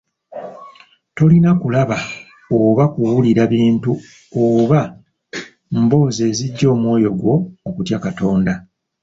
Tolina kulaba oba kuwulira bintu oba mboozi ezijja omwoyo gwo mu kutya Katonda